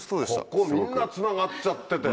ここみんなつながっちゃってて。